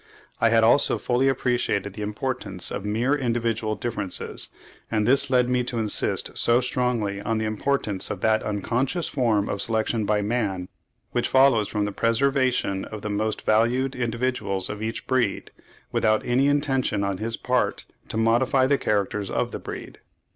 I had also fully appreciated the importance of mere individual differences, and this led me to insist so strongly on the importance of that unconscious form of selection by man, which follows from the preservation of the most valued individuals of each breed, without any intention on his part to modify the characters of the breed.